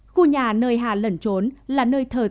khu nhà nơi hà lẩn trốn là nơi thờ tựa